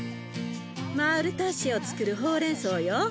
マウルタッシェをつくるほうれんそうよ。